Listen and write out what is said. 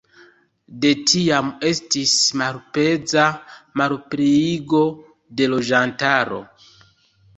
De tiam, estis malpeza malpliigo de loĝantaro.